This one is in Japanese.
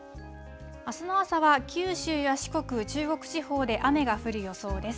あすの朝は九州や四国、中国地方で雨が降る予想です。